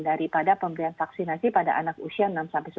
daripada pemberian vaksinasi pada anak usia